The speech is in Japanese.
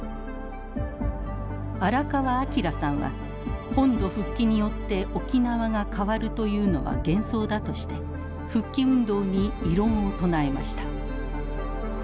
新川明さんは本土復帰によって沖縄が変わるというのは幻想だとして復帰運動に異論を唱えました。